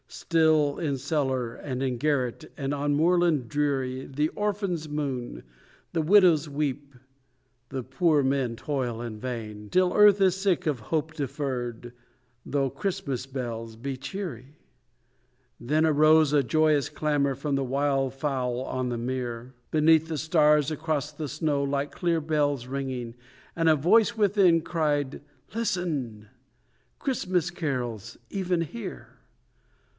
Still in cellar, and in garret, and on moorland dreary The orphans moan, and widows weep, and poor men toil in vain, Till earth is sick of hope deferred, though Christmas bells be cheery.' Then arose a joyous clamour from the wild fowl on the mere, Beneath the stars, across the snow, like clear bells ringing, And a voice within cried 'Listen! Christmas carols even here!